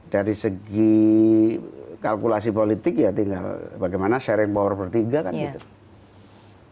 dari segi kalkulasi politik ya tinggal bagaimana sharing power bertiga kan gitu